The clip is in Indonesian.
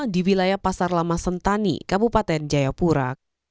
di wilayah pasar lama sentani kabupaten jayapura